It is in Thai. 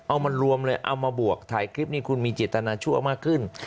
เอามารวมเลยเอามาบวกถ่ายคลิปนี้คุณมีเจตนาชั่วมากขึ้น